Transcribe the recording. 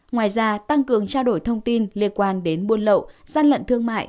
ngoài ra tăng cường trao đổi thông tin liên quan đến buôn lậu gian lận thương mại